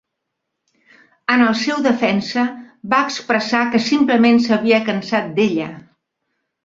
En el seu defensa va expressar que simplement s'havia cansat d'ella.